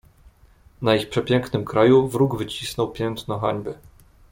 "Na ich przepięknym kraju wróg wycisnął piętno hańby."